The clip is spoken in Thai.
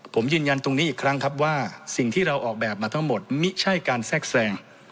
ผมยืนยันตรงนี้อีกครั้งครับว่าสิ่งที่เราออกแบบมาทั้งหมดไม่ใช่การแทรกแทรง